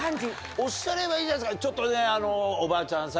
おっしゃればいいじゃないですかちょっと。